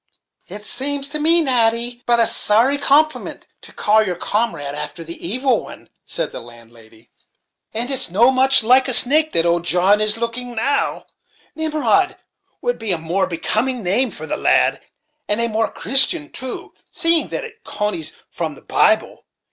"It sames to me, Natty, but a sorry compliment to call your comrad after the evil one," said the landlady; "and it's no much like a snake that old John is looking now, Nimrod would be a more becoming name for the lad, and a more Christian, too, seeing that it conies from the Bible.